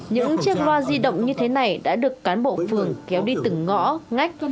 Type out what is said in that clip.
những chiếc loa di động như thế này đã được cán bộ phường kéo đi từng ngõ ngách